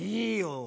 いいよ。